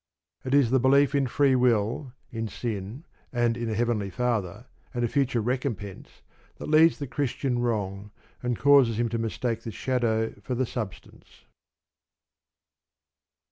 It is the belief in Free Will, in Sin, and in a Heavenly Father, and a future recompense that leads the Christian wrong, and causes him to mistake the shadow for the substance.